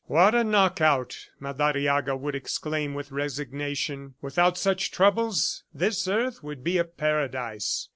"WHAT a knock out!" Madariaga would exclaim with resignation. "Without such troubles, this earth would be a paradise. ...